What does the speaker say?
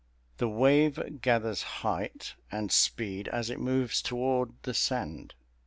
The wave gathers height and speed as it moves toward the sand.